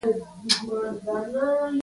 احمد ډېر ساختلی ناست وو.